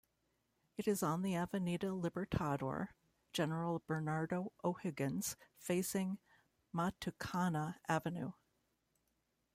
It is on the Avenida Libertador General Bernardo O'Higgins, facing Matucana avenue.